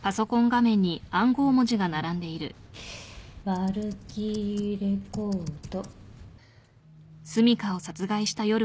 ワルキーレ・コード。